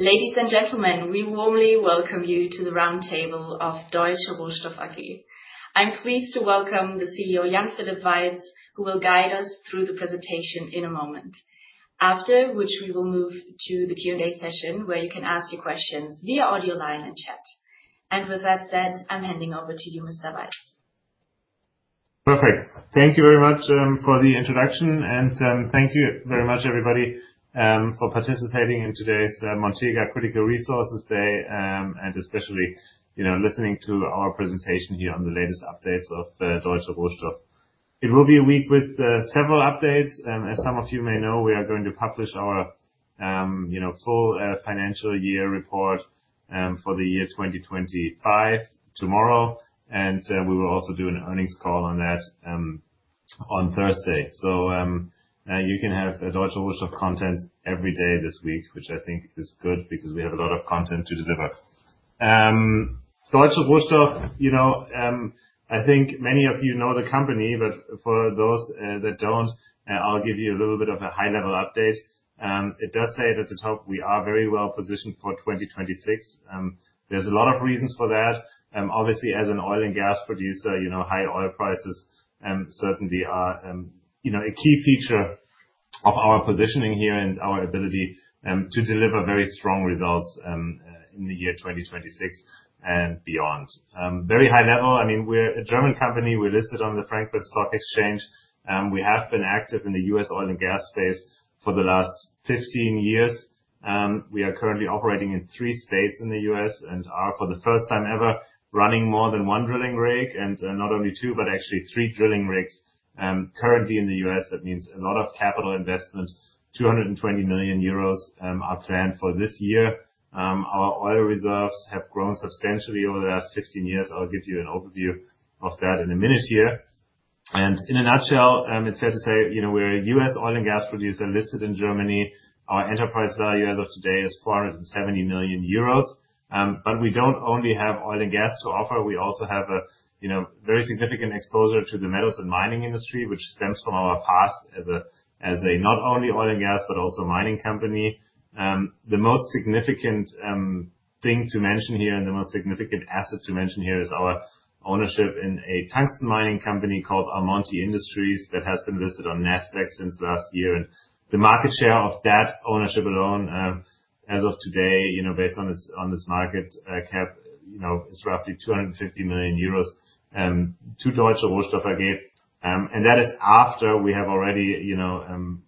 Ladies and gentlemen, we warmly welcome you to the round table of Deutsche Rohstoff AG. I'm pleased to welcome the CEO, Jan-Philipp Weitz, who will guide us through the presentation in a moment, after which we will move to the Q&A session, where you can ask your questions via audio line and chat. With that said, I'm handing over to you, Mr. Weitz. Perfect. Thank you very much for the introduction, and thank you very much everybody for participating in today's Montega Critical Resources Day, and especially listening to our presentation here on the latest updates of Deutsche Rohstoff. It will be a week with several updates. As some of you may know, we are going to publish our full financial year report for the year 2025 tomorrow. We will also do an earnings call on that on Thursday. You can have Deutsche Rohstoff content every day this week, which I think is good because we have a lot of content to deliver. Deutsche Rohstoff, I think many of you know the company, but for those that don't, I'll give you a little bit of a high-level update. It does say it at the top, we are very well positioned for 2026. There's a lot of reasons for that. Obviously, as an oil and gas producer, high oil prices certainly are a key feature of our positioning here and our ability to deliver very strong results in the year 2026 and beyond. Very high level, we're a German company. We're listed on the Frankfurt Stock Exchange. We have been active in the U.S. oil and gas space for the last 15 years. We are currently operating in three states in the U.S. and are, for the first time ever, running more than one drilling rig. Not only two, but actually three drilling rigs currently in the U.S. That means a lot of capital investment, 220 million euros are planned for this year. Our oil reserves have grown substantially over the last 15 years. I'll give you an overview of that in a minute here. In a nutshell, it's fair to say, we're a U.S. oil and gas producer listed in Germany. Our enterprise value as of today is 470 million euros. We don't only have oil and gas to offer, we also have a very significant exposure to the metals and mining industry, which stems from our past as a not only oil and gas, but also mining company. The most significant thing to mention here, and the most significant asset to mention here is our ownership in a tungsten mining company called Almonty Industries that has been listed on Nasdaq since last year. The market share of that ownership alone as of today based on its market cap is roughly 250 million euros to Deutsche Rohstoff AG, and that is after we have already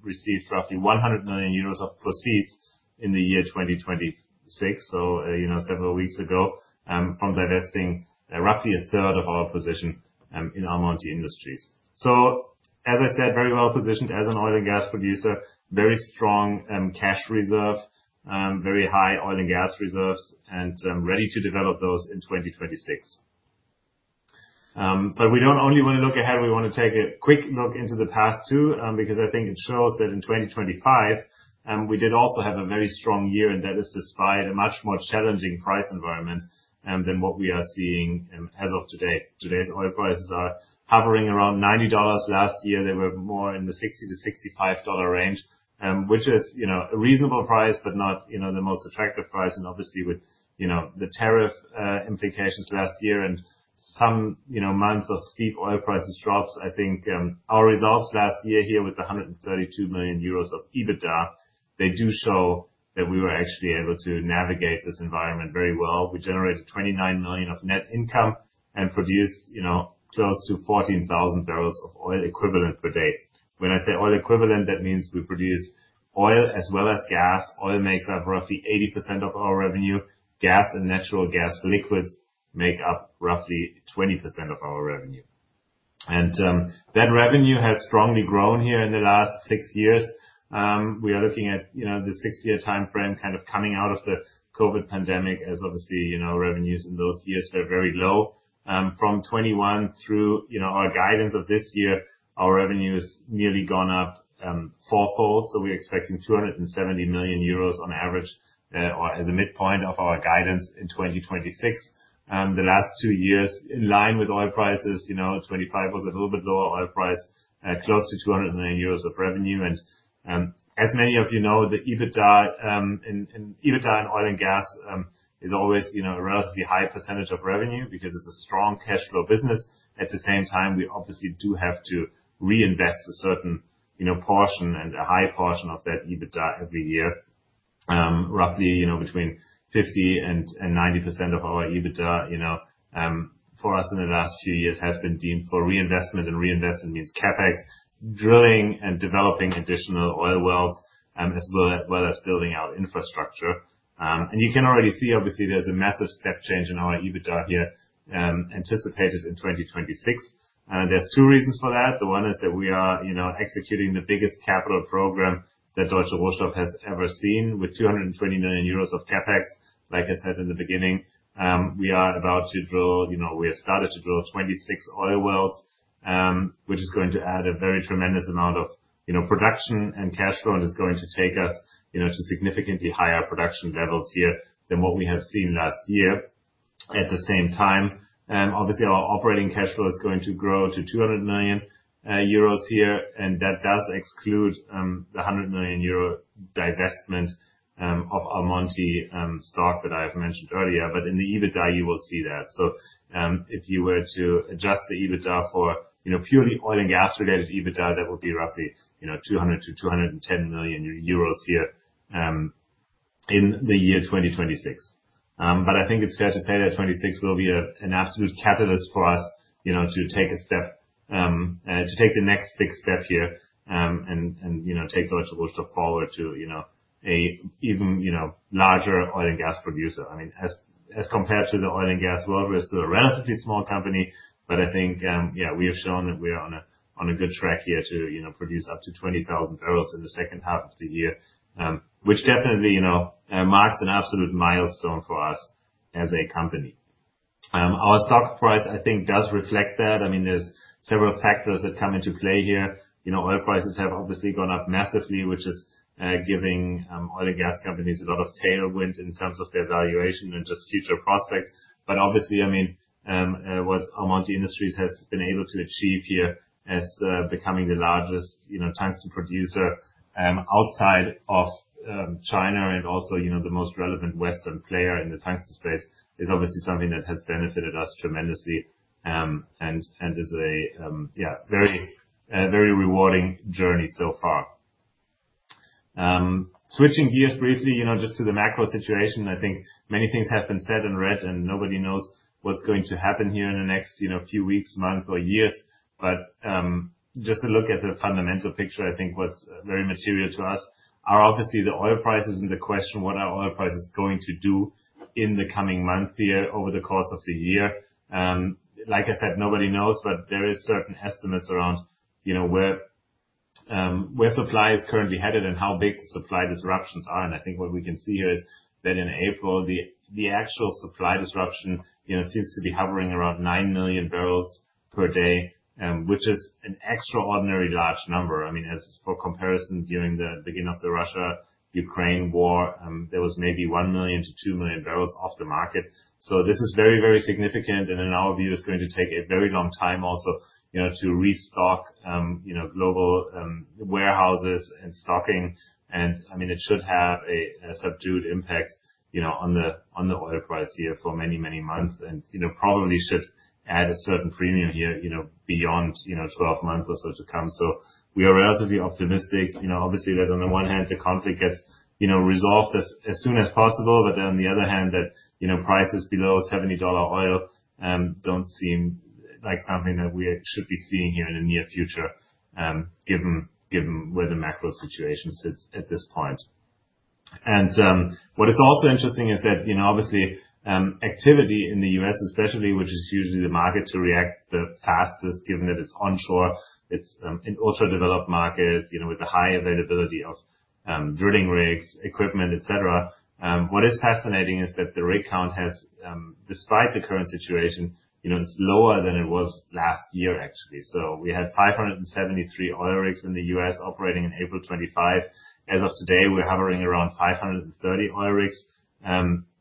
received roughly 100 million euros of proceeds in the year 2026. Several weeks ago, from divesting roughly a third of our position in Almonty Industries. As I said, very well positioned as an oil and gas producer, very strong cash reserve, very high oil and gas reserves and ready to develop those in 2026. We don't only want to look ahead, we want to take a quick look into the past too, because I think it shows that in 2025, we did also have a very strong year, and that is despite a much more challenging price environment than what we are seeing as of today. Today's oil prices are hovering around $90. Last year they were more in the $60-$65 range, which is a reasonable price but not the most attractive price, and obviously with the tariff implications last year and some months of steep oil price drops, I think our results last year here with the 132 million euros of EBITDA, they do show that we were actually able to navigate this environment very well. We generated 29 million of net income and produced close to 14,000 barrels of oil equivalent per day. When I say oil equivalent, that means we produce oil as well as gas. Oil makes up roughly 80% of our revenue. Gas and natural gas liquids make up roughly 20% of our revenue. That revenue has strongly grown here in the last six years. We are looking at the six-year timeframe coming out of the COVID pandemic as obviously, revenues in those years were very low. From 2021 through our guidance of this year, our revenue has nearly gone up fourfold. We're expecting 270 million euros on average or as a midpoint of our guidance in 2026. The last two years in line with oil prices, 2025 was a little bit lower oil price, close to 200 million euros of revenue. As many of you know, the EBITDA in oil and gas is always a relatively high percentage of revenue because it's a strong cash flow business. At the same time, we obviously do have to reinvest a certain portion and a high portion of that EBITDA every year. Roughly between 50% and 90% of our EBITDA for us in the last few years has been deemed for reinvestment, and reinvestment means CapEx, drilling and developing additional oil wells, as well as building out infrastructure. You can already see, obviously, there's a massive step change in our EBITDA here anticipated in 2026. There's two reasons for that. The one is that we are executing the biggest capital program that Deutsche Rohstoff has ever seen with 220 million euros of CapEx. Like I said in the beginning, we are about to drill, we have started to drill 26 oil wells, which is going to add a very tremendous amount of production and cash flow and is going to take us to significantly higher production levels here than what we have seen last year. At the same time, obviously our operating cash flow is going to grow to 200 million euros here, and that does exclude the 100 million euro divestment of Almonty stock that I have mentioned earlier. In the EBITDA, you will see that. If you were to adjust the EBITDA for purely oil and gas related EBITDA, that would be roughly 200 million-210 million euros here in the year 2026. I think it's fair to say that 2026 will be an absolute catalyst for us to take the next big step here, and take Deutsche Rohstoff forward to an even larger oil and gas producer. As compared to the oil and gas world, we're still a relatively small company, but I think, yeah, we have shown that we are on a good track here to produce up to 20,000 barrels in the second half of the year, which definitely marks an absolute milestone for us as a company. Our stock price, I think, does reflect that. There's several factors that come into play here. Oil prices have obviously gone up massively, which is giving oil and gas companies a lot of tailwind in terms of their valuation and just future prospects. Obviously, what Almonty Industries has been able to achieve here is becoming the largest tungsten producer outside of China and also the most relevant Western player in the tungsten space is obviously something that has benefited us tremendously, and is a very rewarding journey so far. Switching gears briefly, just to the macro situation, I think many things have been said and read, and nobody knows what's going to happen here in the next few weeks, months or years. Just to look at the fundamental picture, I think what's very material to us are obviously the oil prices and the question, what are oil prices going to do in the coming month here over the course of the year? Like I said, nobody knows, but there is certain estimates around where supply is currently headed and how big the supply disruptions are. I think what we can see here is that in April, the actual supply disruption seems to be hovering around 9 million barrels per day, which is an extraordinary large number. As for comparison, during the beginning of the Russia-Ukraine war, there was maybe 1 million-2 million barrels off the market. This is very significant, and in our view, it's going to take a very long time also to restock global warehouses and stocking. It should have a subdued impact on the oil price here for many months. Probably should add a certain premium here, beyond 12 months or so to come. We are relatively optimistic, obviously, that on the one hand, the conflict gets resolved as soon as possible, but then on the other hand that prices below $70 oil don't seem like something that we should be seeing here in the near future, given where the macro situation sits at this point. What is also interesting is that, obviously, activity in the U.S. especially, which is usually the market to react the fastest, given that it's onshore, it's an ultra-developed market with the high availability of drilling rigs, equipment, et cetera. What is fascinating is that the rig count has, despite the current situation, it's lower than it was last year, actually. We had 573 oil rigs in the U.S. operating in April 2025. As of today, we're hovering around 530 oil rigs.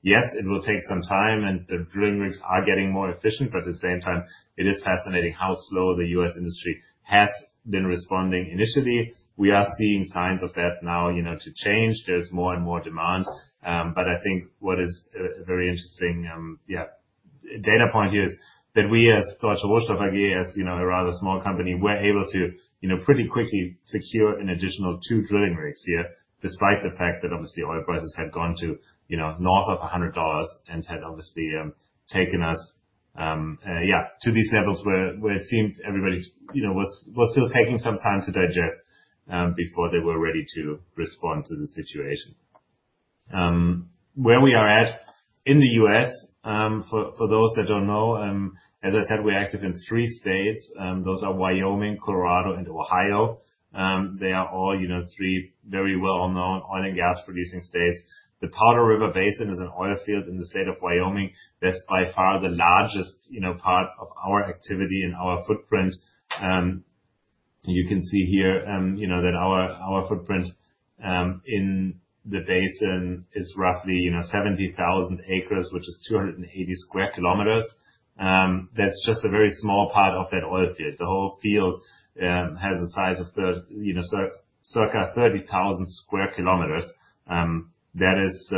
Yes, it will take some time, and the drilling rigs are getting more efficient, but at the same time, it is fascinating how slow the US industry has been responding initially. We are seeing signs of that now to change. There's more and more demand. I think what is a very interesting data point here is that we as Deutsche Rohstoff AG, as a rather small company, were able to pretty quickly secure an additional two drilling rigs here, despite the fact that obviously oil prices had gone to north of $100 and had obviously taken us to these levels where it seemed everybody was still taking some time to digest before they were ready to respond to the situation. Where we are at in the U.S., for those that don't know, as I said, we're active in three states, those are Wyoming, Colorado, and Ohio. They are all three very well-known oil and gas producing states. The Powder River Basin is an oil field in the state of Wyoming. That's by far the largest part of our activity and our footprint. You can see here that our footprint in the basin is roughly 70,000 acres, which is 280 sq km. That's just a very small part of that oil field. The whole field has a size of circa 30,000 sq km. That is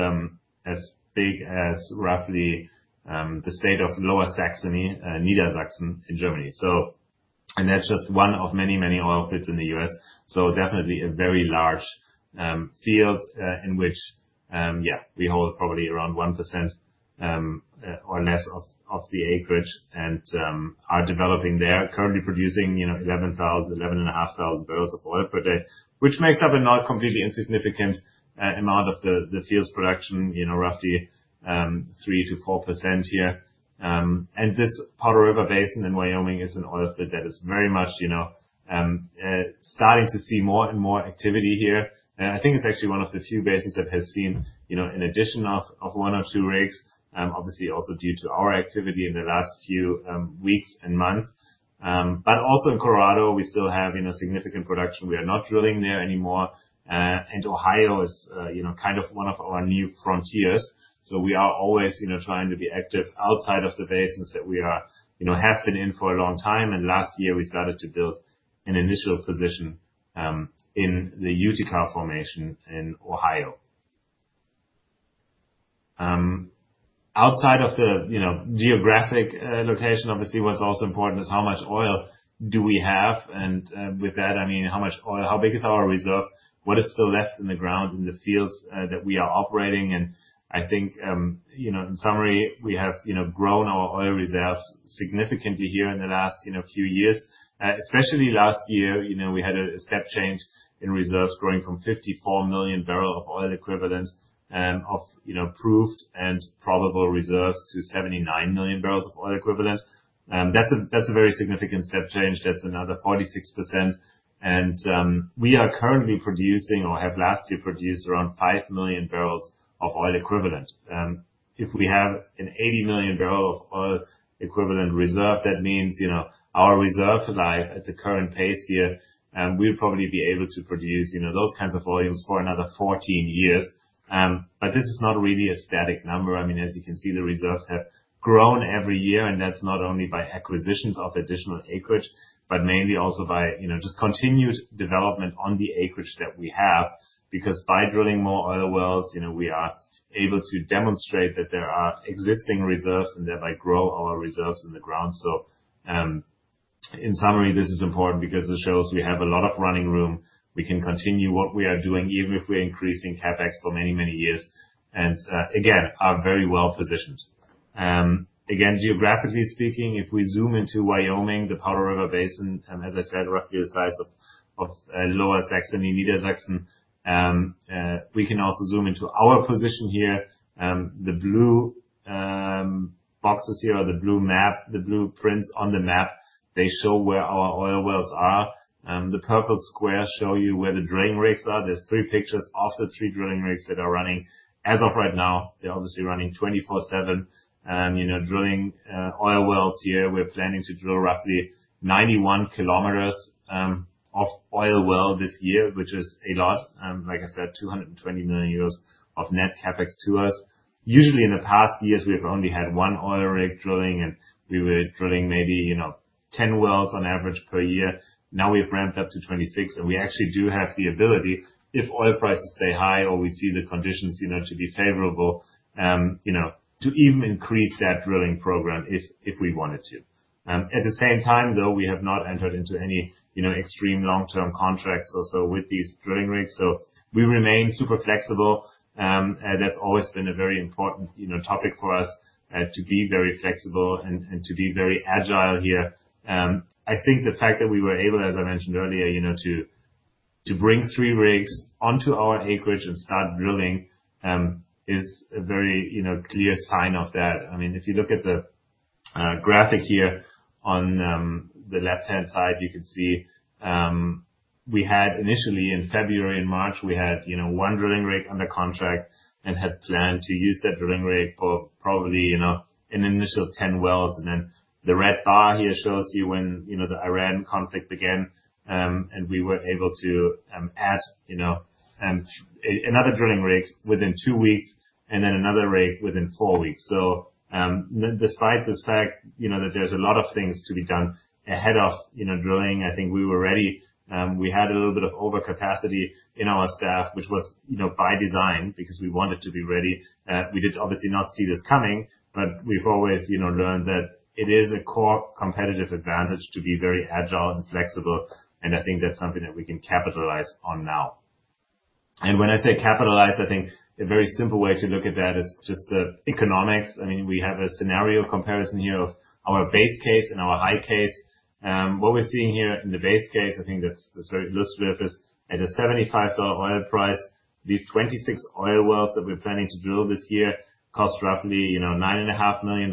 as big as roughly the state of Lower Saxony, Niedersachsen, in Germany. That's just one of many oil fields in the U.S. Definitely a very large field, in which we hold probably around 1% or less of the acreage and are developing there, currently producing 11,000-11,500 barrels of oil per day, which makes up a not completely insignificant amount of the field's production, roughly 3%-4% here. This Powder River Basin in Wyoming is an oil field that is very much starting to see more and more activity here. I think it's actually one of the few basins that has seen an addition of one or two rigs, obviously also due to our activity in the last few weeks and months. Also in Colorado, we still have significant production. We are not drilling there anymore. Ohio is one of our new frontiers, so we are always trying to be active outside of the basins that we have been in for a long time, and last year we started to build an initial position in the Utica Formation in Ohio. Outside of the geographic location, obviously, what's also important is how much oil do we have, and with that, I mean how big is our reserve? What is still left in the ground in the fields that we are operating in? I think in summary, we have grown our oil reserves significantly here in the last few years. Especially last year, we had a step change in reserves growing from 54 million barrel of oil equivalent of Proved and Probable Reserves to 79 million barrels of oil equivalent. That's a very significant step change. That's another 46%. We are currently producing or have last year produced around 5 million barrels of oil equivalent. If we have an 80 million barrel of oil equivalent reserve, that means our Reserve Life at the current pace here, we'll probably be able to produce those kinds of volumes for another 14 years. This is not really a static number. I mean, as you can see, the reserves have grown every year, and that's not only by acquisitions of additional acreage, but mainly also by just continued development on the acreage that we have. Because by drilling more oil wells, we are able to demonstrate that there are existing reserves and thereby grow our reserves in the ground. In summary, this is important because it shows we have a lot of running room. We can continue what we are doing, even if we're increasing CapEx for many, many years, and again, are very well positioned. Again, geographically speaking, if we zoom into Wyoming, the Powder River Basin, as I said, roughly the size of Lower Saxony, Niedersachsen. We can also zoom into our position here. The blue boxes here are the blue map, the blueprints on the map, they show where our oil wells are. The purple squares show you where the drilling rigs are. There's three pictures of the three drilling rigs that are running as of right now. They're obviously running 24/7. Drilling oil wells here, we're planning to drill roughly 91 km of oil well this year, which is a lot. Like I said, 220 million euros of net CapEx to us. Usually in the past years, we've only had one oil rig drilling, and we were drilling maybe 10 wells on average per year. Now we've ramped up to 26, and we actually do have the ability, if oil prices stay high or we see the conditions to be favorable, to even increase that drilling program if we wanted to. At the same time, though, we have not entered into any extreme long-term contracts with these drilling rigs. We remain super flexible. That's always been a very important topic for us, to be very flexible and to be very agile here. I think the fact that we were able, as I mentioned earlier, to bring three rigs onto our acreage and start drilling, is a very clear sign of that. I mean, if you look at the graphic here on the left-hand side, you could see we had initially in February and March, we had one drilling rig under contract and had planned to use that drilling rig for probably an initial 10 wells. And then the red bar here shows you when the Iran conflict began, and we were able to add another drilling rig within two weeks and then another rig within four weeks. Despite this fact that there's a lot of things to be done ahead of drilling, I think we were ready. We had a little bit of overcapacity in our staff, which was by design because we wanted to be ready. We did obviously not see this coming, but we've always learned that it is a core competitive advantage to be very agile and flexible. I think that's something that we can capitalize on now. When I say capitalize, I think a very simple way to look at that is just the economics. We have a scenario comparison here of our base case and our high case. What we're seeing here in the base case, I think that's this very left surface. At a $75 oil price, these 26 oil wells that we're planning to drill this year cost roughly $9.5 million.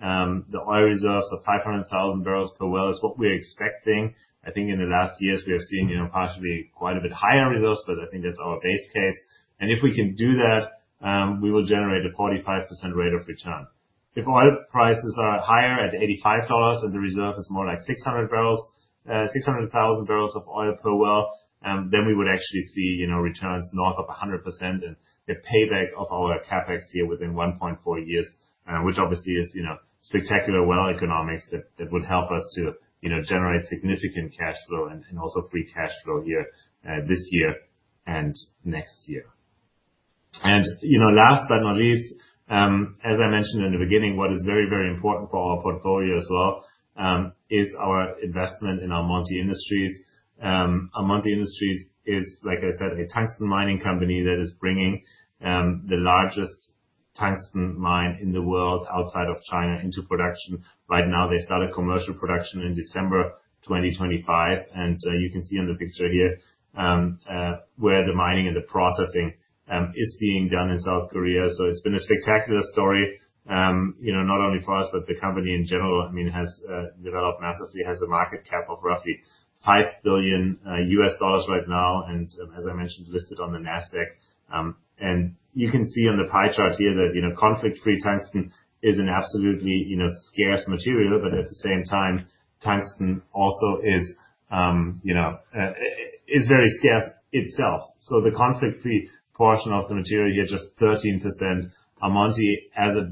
The oil reserves of 500,000 barrels per well is what we're expecting. I think in the last years we have seen possibly quite a bit higher reserves, but I think that's our base case. If we can do that, we will generate a 45% rate of return. If oil prices are higher at $85 and the reserve is more like 600,000 barrels of oil per well, then we would actually see returns north of 100% and a payback of our CapEx here within 1.4 years. Which obviously is spectacular well economics that would help us to generate significant cash flow and also free cash flow here this year and next year. Last but not least, as I mentioned in the beginning, what is very, very important for our portfolio as well, is our investment in Almonty Industries. Almonty Industries is, like I said, a tungsten mining company that is bringing the largest tungsten mine in the world outside of China into production right now. They start a commercial production in December 2025. You can see in the picture here, where the mining and the processing is being done in South Korea. It's been a spectacular story, not only for us, but the company in general has developed massively, has a market cap of roughly $5 billion right now, and as I mentioned, listed on the Nasdaq. You can see on the pie chart here that conflict-free tungsten is an absolutely scarce material. At the same time, tungsten also is very scarce itself. The conflict-free portion of the material here, just 13%. Almonty as it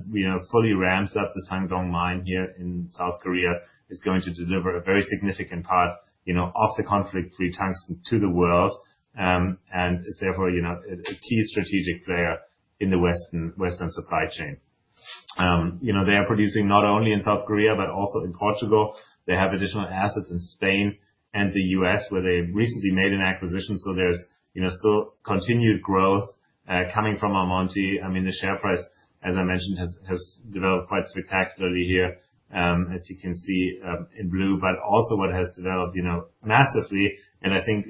fully ramps up the Sangdong Mine here in South Korea, is going to deliver a very significant part of the conflict-free tungsten to the world, and is therefore a key strategic player in the Western supply chain. They are producing not only in South Korea, but also in Portugal. They have additional assets in Spain and the U.S., where they recently made an acquisition. There is still continued growth coming from Almonty. The share price, as I mentioned, has developed quite spectacularly here, as you can see in blue. Also what has developed massively, and I think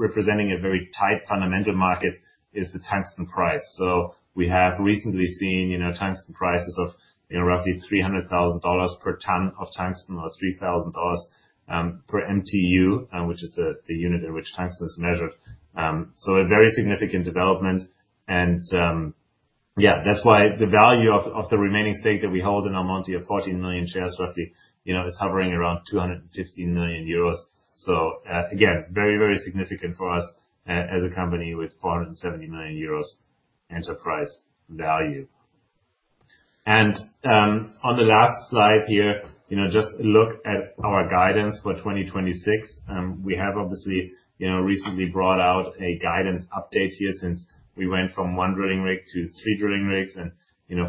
representing a very tight fundamental market, is the tungsten price. We have recently seen tungsten prices of roughly $300,000 per ton of tungsten, or $3,000 per MTU, which is the unit in which tungsten is measured. A very significant development and that's why the value of the remaining stake that we hold in Almonty of 14 million shares roughly, is hovering around 250 million euros. Again, very significant for us as a company with 470 million euros enterprise value. On the last slide here, just look at our guidance for 2026. We have obviously recently brought out a guidance update here since we went from one drilling rig to three drilling rigs and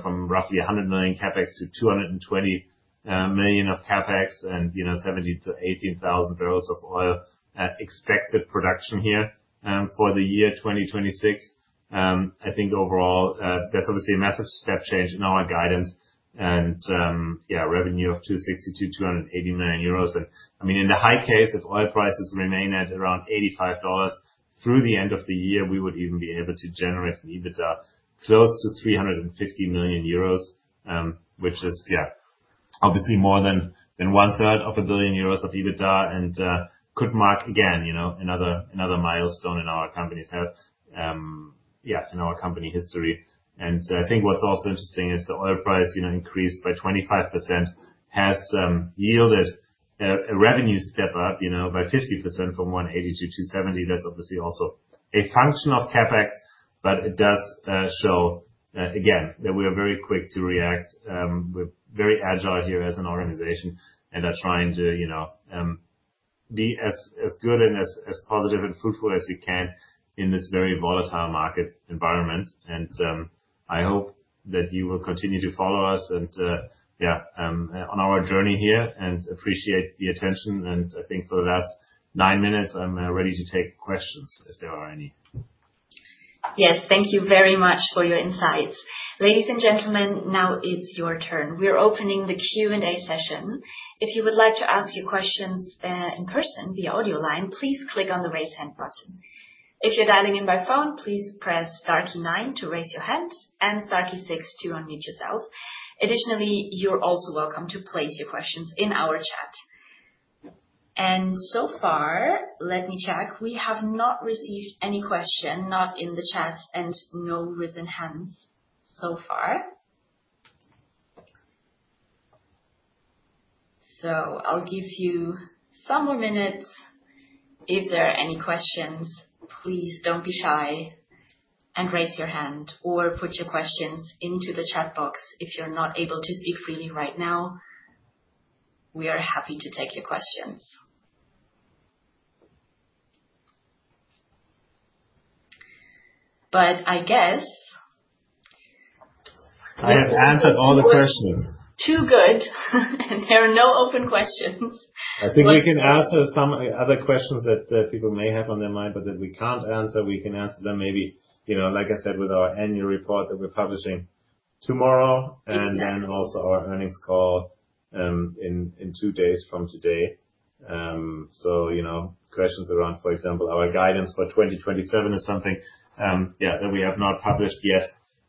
from roughly 100 million CapEx to 220 million CapEx and 70,000-80,000 barrels of oil at expected production here for the year 2026. I think overall, that's obviously a massive step change in our guidance and revenue of 260 million-280 million euros. In the high case, if oil prices remain at around $85 through the end of the year, we would even be able to generate an EBITDA close to 350 million euros, which is obviously more than one third of a billion euros of EBITDA and could mark again another milestone in our company history. I think what's also interesting is the oil price increase by 25% has yielded a revenue step up by 50% from 180-270. That's obviously also a function of CapEx, but it does show again that we are very quick to react. We're very agile here as an organization and are trying to be as good and as positive and fruitful as we can in this very volatile market environment. I hope that you will continue to follow us on our journey here and appreciate the attention. I think for the last nine minutes, I'm ready to take questions if there are any. Yes. Thank you very much for your insights. Ladies and gentlemen, now it's your turn. We are opening the Q&A session. If you would like to ask your questions in person via audio line, please click on the Raise Hand button. If you're dialing in by phone, please press star key nine to raise your hand and star key six to unmute yourself. Additionally, you're also welcome to place your questions in our chat. So far, let me check. We have not received any question, not in the chat and no raised hands so far. I'll give you some more minutes. If there are any questions, please don't be shy and raise your hand or put your questions into the chat box if you're not able to speak freely right now. We are happy to take your questions. I guess... I have answered all the questions. Too good and there are no open questions. I think we can answer some other questions that people may have on their mind, but that we can't answer, we can answer them maybe, like I said, with our annual report that we're publishing tomorrow, and then also our earnings call in two days from today. Questions around, for example, our guidance for 2027 or something that we have not published yet.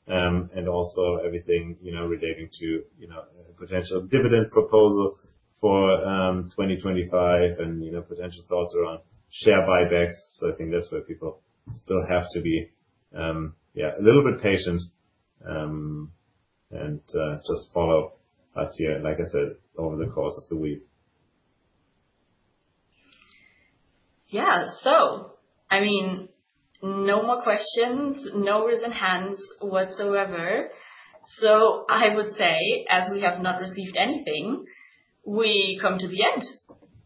Also everything relating to a potential dividend proposal for 2025 and potential thoughts around share buybacks. I think that's where people still have to be a little bit patient and just follow us here, like I said, over the course of the week. Yeah. No more questions, no raised hands whatsoever. I would say, as we have not received anything, we come to the end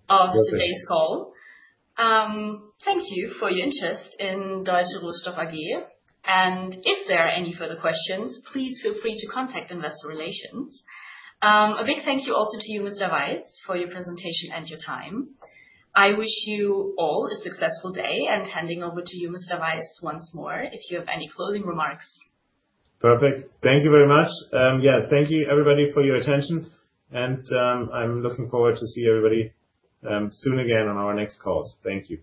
of today's call. Thank you for your interest in Deutsche Rohstoff AG. If there are any further questions, please feel free to contact investor relations. A big thank you also to you, Mr. Weitz, for your presentation and your time. I wish you all a successful day, and handing over to you, Mr. Weitz, once more if you have any closing remarks. Perfect. Thank you very much. Thank you everybody for your attention and I'm looking forward to see everybody soon again on our next calls. Thank you.